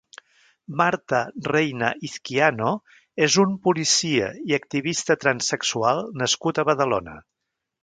Marta Reina Izquiano és un policia i activista transexual nascut a Badalona.